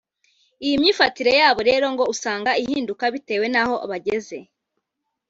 iyi myifatire yabo rero ngo usanga ihinduka bitewe naho bageze